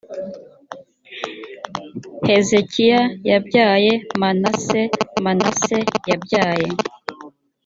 hezekiya yabyaye manase manase yabyaye